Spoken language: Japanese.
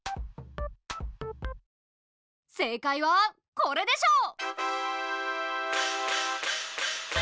正解はこれでしょう。